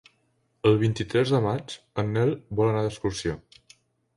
El vint-i-tres de maig en Nel vol anar d'excursió.